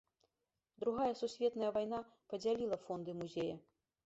Другая сусветная вайна падзяліла фонды музея.